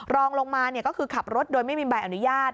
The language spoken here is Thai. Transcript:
รองลงมาก็คือขับรถโดยไม่มีใบอนุญาต